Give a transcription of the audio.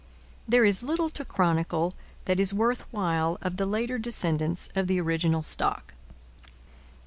There is little to chronicle that is worth while of the later descendants of the original stock.